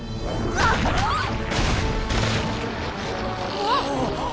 あっ！